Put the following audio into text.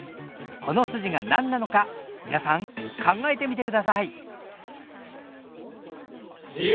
この筋が何なのか皆さん考えてみてください。